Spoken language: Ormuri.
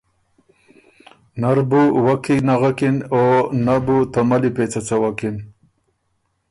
نۀ ر بُو وک کی نغکِن او نۀ بُو ته ملّی پېڅه څوکِن،